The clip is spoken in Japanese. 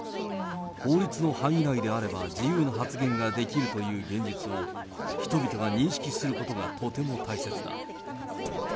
法律の範囲内であれば、自由な発言ができるという現実を、人々が認識することがとても大切だ。